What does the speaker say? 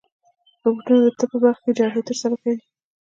روبوټونه د طب په برخه کې جراحي ترسره کوي.